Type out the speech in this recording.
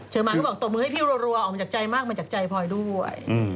มาก็บอกตบมือให้พี่รัวออกมาจากใจมากมาจากใจพลอยด้วย